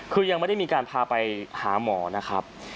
คือยังไม่ได้มีการพาไปหาหมอนะครับ